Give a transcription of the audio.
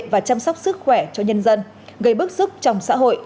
và chăm sóc sức khỏe cho nhân dân gây bức xúc trong xã hội